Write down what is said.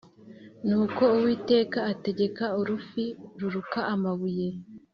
Nuko uwiteka ategeka urufi ruruka amabuye